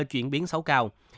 chuyển biến xấu cao